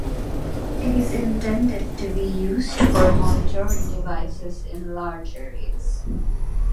It is intended to be used for monitoring devices in large areas.